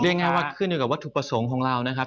ง่ายว่าขึ้นอยู่กับวัตถุประสงค์ของเรานะครับ